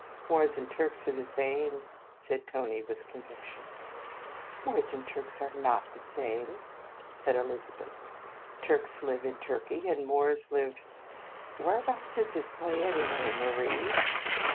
" Moors and Turks are the same," said Tony with conviction. " Moors and Turks are not the same," said Elizabeth. " Turks live in Turkey, and Moors live Where abouts is this play, anyway, Marie